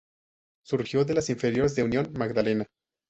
Surgió de las inferiores de Union Magdalena.